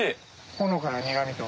ほのかな苦みと。